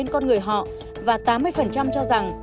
của người họ và tám mươi cho rằng